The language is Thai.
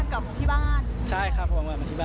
เหมือนว่ากลับมาพิษบ้านกลับที่บ้าน